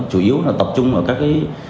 chủ yếu là tập trung vào các cái